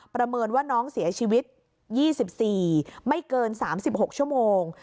ประเมินว่าน้องเสียชีวิต๒๔ไม่เกิน๓๖ชั่วโมง